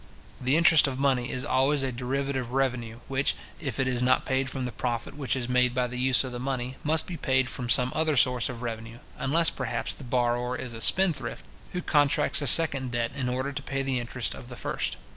The interest of money is always a derivative revenue, which, if it is not paid from the profit which is made by the use of the money, must be paid from some other source of revenue, unless perhaps the borrower is a spendthrift, who contracts a second debt in order to pay the interest of the first.